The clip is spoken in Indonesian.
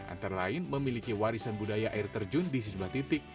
antara lain memiliki warisan budaya air terjun di sejumlah titik